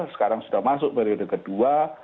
sekarang sudah masuk periode kedua